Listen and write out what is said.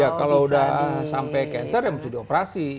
ya kalau udah sampai cancer ya mesti dioperasi